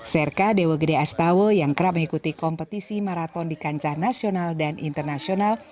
serka dewa gede astawa yang kerap mengikuti kompetisi maraton di kancah nasional dan internasional